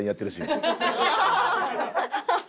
ハハハハ！